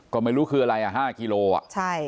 ก็ไม่รู้คืออะไร๕กิโลกรัม